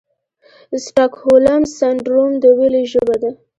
سټاکهولم سنډروم د ویرې ژبه ده.